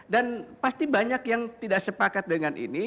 dan pasti banyak yang tidak sepakat dengan ini